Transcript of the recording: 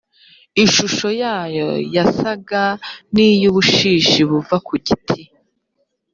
ishusho yayo yasaga n iy ubushishi buva ku giti